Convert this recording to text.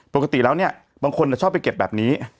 ปกติแล้วเนี่ยบางคนชอบไปเก็บแบบนี้